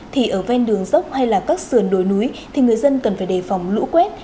thì ở ven đường dốc hay là các sườn đồi núi thì người dân cần phải đề phòng lũ quét